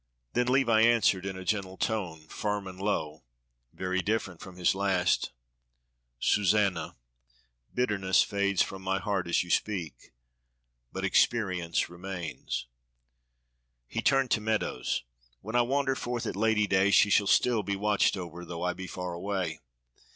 Then Levi answered in a tone gentle, firm, and low (very different from his last), "Susanna, bitterness fades from my heart as you speak; but experience remains." He turned to Meadows, "When I wander forth at Lady day she shall still be watched over though I be far away.